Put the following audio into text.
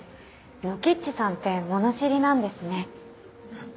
ノキッチさんって物知りなんですね。